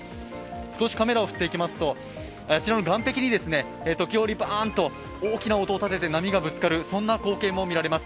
少しカメラを振っていきますと、あちらの岸壁に時折大きな音を立てて波がぶつかる光景も見られます。